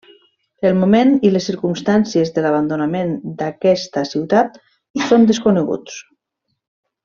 El moment i les circumstàncies de l'abandonament d'aquesta ciutat són desconeguts.